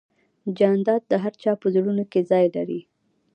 جانداد د هر چا په زړونو کې ځای لري.